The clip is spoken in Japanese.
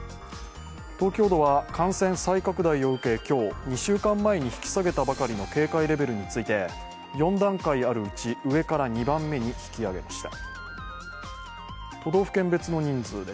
東京都は感染再拡大を受け、今日、２週間前に引き下げたばかりの警戒レベルについて４段階あるうち、上から２番目に引き上げました。